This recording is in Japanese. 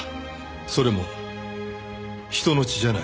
それも人の血じゃない。